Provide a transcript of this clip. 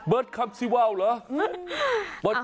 เบิดคำสิว่าวเหรอ